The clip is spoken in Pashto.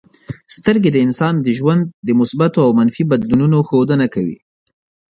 سترګې د انسان د ژوند د مثبتو او منفي بدلونونو ښودنه کوي.